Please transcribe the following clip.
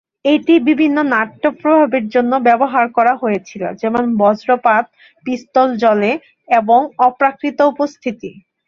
এটি বিভিন্ন নাট্য প্রভাবের জন্যও ব্যবহার করা হয়েছিল, যেমন বজ্রপাত, পিস্তল জ্বলে, এবং অতিপ্রাকৃত উপস্থিতি।